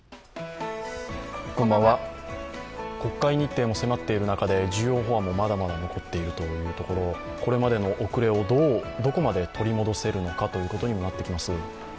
国会日程も迫っている中で重要法案もまだまだ残っているというところ、これまでの遅れをどこまで取り戻せるのかということにもなってきます。